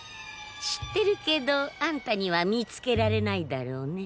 知ってるけどあんたには見つけられないだろうね。